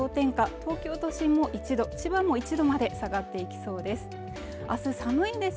東京都心も１度も１度まで下がっていきそうです